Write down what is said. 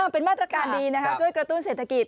เป็นมาตรการดีนะครับช่วยกระตุ้นเศรษฐกิจ